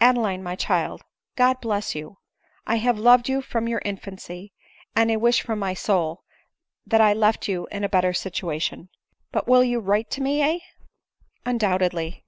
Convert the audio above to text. Adeline, my child, God bless you ! I have loved you from your infancy, and I wish from my soul, that I left you in a better. situation. But you will write to me, heh ?"" Undoubtedly."